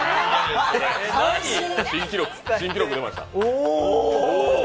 新記録出ました。